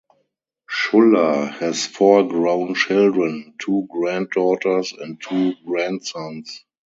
Schuller has four grown children, two granddaughters and two grandsons.